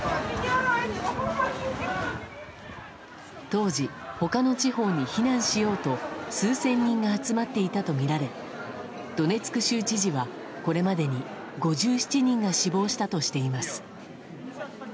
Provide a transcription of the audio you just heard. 当時、他の地方に避難しようと数千人が集まっていたとみられドネツク州知事はこれまでに５７人が死亡したとしています。